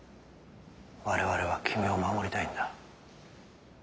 我々は君を守りたいんだ。